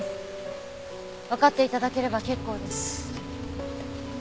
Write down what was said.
わかって頂ければ結構です。